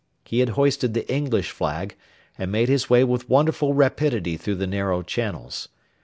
He had hoisted the English flag, and made his way with wonderful rapidity through the narrow channels.